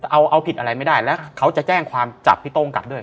เอาผิดอะไรไม่ได้แล้วเขาจะแจ้งความจับพี่โต้งกลับด้วย